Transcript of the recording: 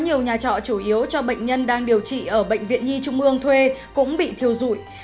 nhiều nhà trọ chủ yếu cho bệnh nhân đang điều trị ở bệnh viện nhi trung ương thuê cũng bị thiêu dụi